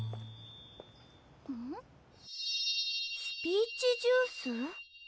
「スピーチジュース」？